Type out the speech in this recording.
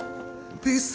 aku akan pergi